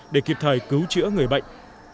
để kịp thời cứu chữa người bệnh